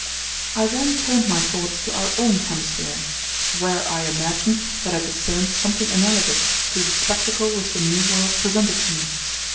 I then turned my thoughts to our own hemisphere, where I imagined that I discerned something analogous to the spectacle which the New World presented to me.